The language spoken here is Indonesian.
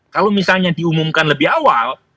kalau misalnya diumumkan lebih awal